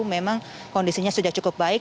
memang kondisinya sudah cukup baik